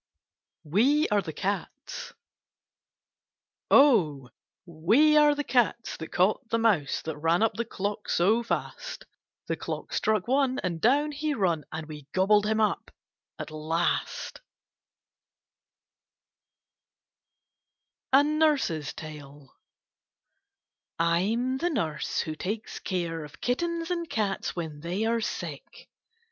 WE ABE THE CATS Oh! we are the cats that caught the mouse. That ran up the clock so fast. The clock struck one, and down he run, And we gobbled him up at last. 30 KITTENS AND CATS A NURSE'S TALE I'm the nurse who takes care of kit tens and cats when they are sick.